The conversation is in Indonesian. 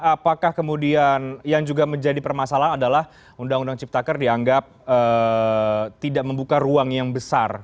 apakah kemudian yang juga menjadi permasalahan adalah undang undang ciptaker dianggap tidak membuka ruang yang besar